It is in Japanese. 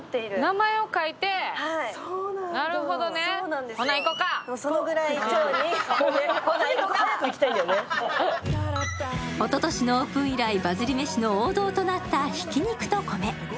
名前を書いておととしのオープン以来、バズりめしの王道となった挽肉と米。